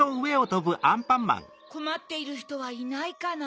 こまっているひとはいないかな。